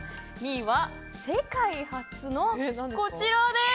２位は、世界初のこちらです。